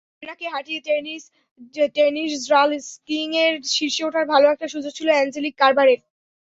সেরেনাকে হটিয়ে টেনিস র্যা ঙ্কিংয়ের শীর্ষে ওঠার ভালো একটা সুযোগ ছিল অ্যাঞ্জেলিক কারবারের।